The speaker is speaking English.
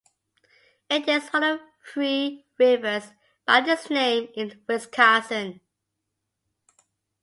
It is one of three rivers by this name in Wisconsin.